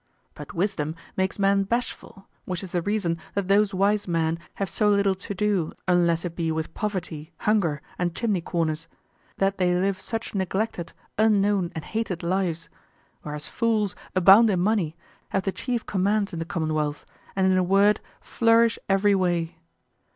But wisdom makes men bashful, which is the reason that those wise men have so little to do, unless it be with poverty, hunger, and chimney corners; that they live such neglected, unknown, and hated lives: whereas fools abound in money, have the chief commands in the commonwealth, and in a word, flourish every way.